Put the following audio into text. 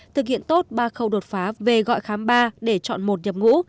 thực hiện tốt ba khâu đột phá về gọi khám ba để chọn một nhập ngũ